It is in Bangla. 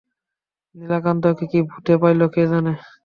নীলকান্তকে কী ভূতে পাইল কে জানে।